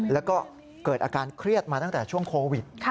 แล้วก็เกิดอาการเครียดมาตั้งแต่ช่วงโควิด